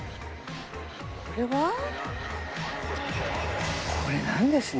これはこれなんですね。